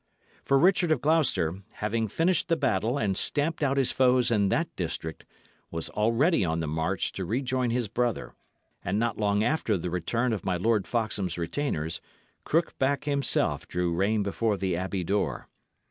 For Richard of Gloucester, having finished the battle and stamped out his foes in that district, was already on the march to rejoin his brother; and not long after the return of my Lord Foxham's retainers, Crookback himself drew rein before the abbey door.